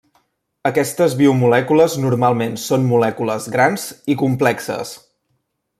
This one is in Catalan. Aquestes biomolècules normalment són molècules grans i complexes.